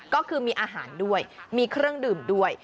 ก็คือมีอาหารด้วยมีเครื่องดื่มด้วย